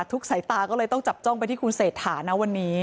สายตาก็เลยต้องจับจ้องไปที่คุณเศรษฐานะวันนี้